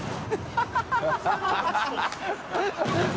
ハハハ